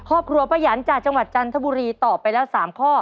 ครอบครัวป้ายันจากจังหวัดจันทบุรีตอบไปแล้ว๓ข้อ